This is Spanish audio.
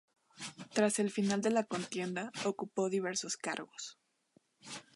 Tras el final de la contienda ocupó diversos cargos.